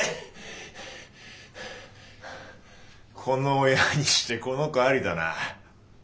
この親にしてこの子ありだな。